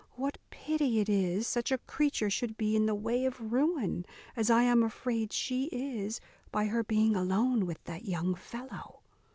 what pity it is such a creature should be in the way of ruin, as I am afraid she is, by her being alone with that young fellow!"